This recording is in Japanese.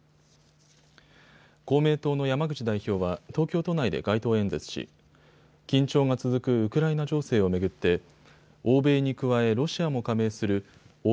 公明党の山口代表は東京都内で街頭演説し、緊張が続くウクライナ情勢を巡って欧米に加え、ロシアも加盟するＯＳＣＥ